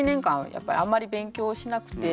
やっぱりあんまり勉強しなくて。